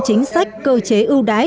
chính sách cơ chế ưu đái